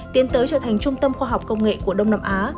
tiến tới trở thành trung tâm khoa học công nghệ của đông nam á